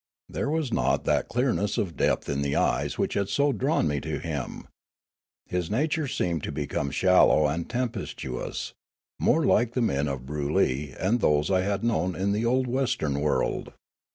There was not that clear ness of depth in the eyes which had so drawn me to him. His nature seemed to become shallow and tem pestuous, more like the men of Broolyi and those I had known in the old western world.